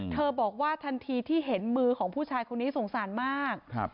บอกว่าทันทีที่เห็นมือของผู้ชายคนนี้สงสารมาก